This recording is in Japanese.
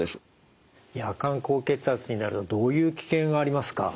夜間高血圧になるとどういう危険がありますか？